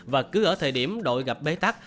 và cứ ở thời điểm đội gặp bê tắc